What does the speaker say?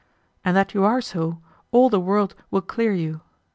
And that you are so, all the world will clear you.